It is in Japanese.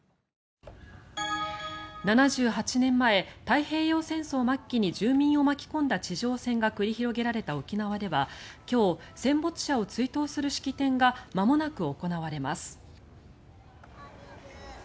７８年前、太平洋戦争末期に住民を巻き込んだ地上戦が繰り広げられた沖縄では今日、戦没者を追悼する式典が間もなく行われます。